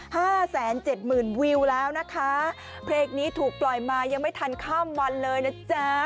ห้าแสนเจ็ดหมื่นวิวแล้วนะคะเพลงนี้ถูกปล่อยมายังไม่ทันข้ามวันเลยนะจ๊ะ